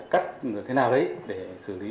cắt thế nào đấy để xử lý